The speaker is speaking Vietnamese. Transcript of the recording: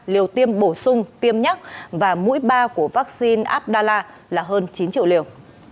liều tiêm bổ sung tiêm nhắc và mũi ba của vaccine abdallah là hơn chín triệu liều